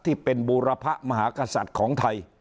ที่เป็นบูรพะมหากษัตริย์ของไทย